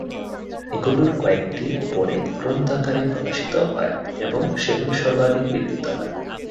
এগুলির কয়েকটি পরে গ্রন্থাকারে প্রকাশিত হয় এবং সেগুলি সর্বাধিক বিক্রিত হয়।